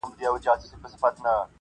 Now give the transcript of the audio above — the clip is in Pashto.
چي دا کلونه راته وايي نن سبا سمېږي-